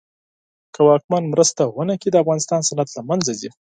که واکمن مرسته ونه کړي د افغانستان صنعت له منځ ځي.